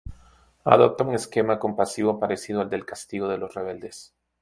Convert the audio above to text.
Adopta un esquema compositivo parecido al del "Castigo de los rebeldes".